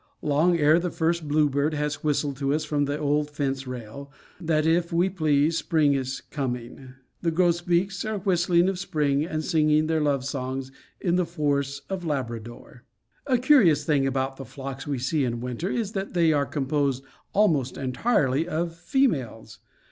Long ere the first bluebird has whistled to us from the old fence rail that, if we please, spring is coming, the grosbeaks are whistling of spring, and singing their love songs in the forests of Labrador. A curious thing about the flocks we see in winter is that they are composed almost entirely of females.